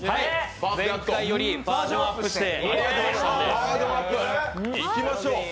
バージョンアップ、いきましょう。